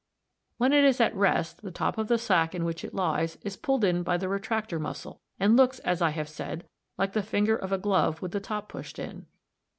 When it is at rest, the top of the sac in which it lies is pulled in by the retractor muscle r, and looks, as I have said, like the finger of a glove with the top pushed in.